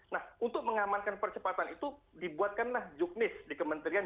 nah untuk mengamankan percepatan itu dibuatkanlah juknis di kementerian